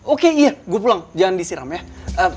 oke iya gue pulang jangan disiram ya